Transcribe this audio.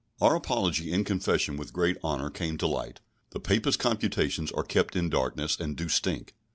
Our Apology and Confession with great honour came to light; the Papists' confutations are kept in darkness, and do stink.